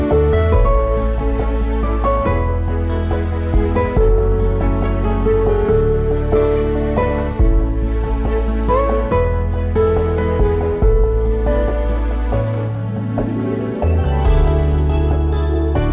untuk selamat berlass